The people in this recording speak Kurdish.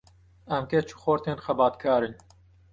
Em keç û xortên xebatkar in.